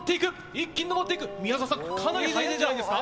一気に登っていく、宮澤さん、かなり速いんじゃないですか。